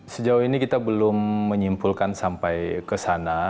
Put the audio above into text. sejauh ini kita belum menyimpulkan sampai ke sana